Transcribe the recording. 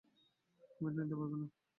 তুমি এটা নিতে পারবে না!